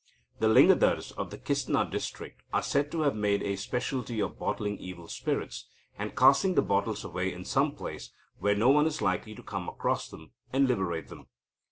The Lingadars of the Kistna district are said to have made a specialty of bottling evil spirits, and casting the bottles away in some place where no one is likely to come across them, and liberate them.